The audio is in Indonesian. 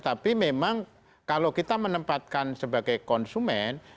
tapi memang kalau kita menempatkan sebagai konsumen